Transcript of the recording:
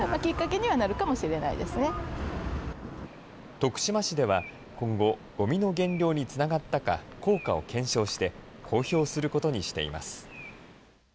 徳島市では、今後、ごみの減量につながったか、効果を検証して公表することにしています。